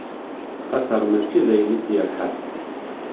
Axaṭer mačči dayen i t-yerḥan.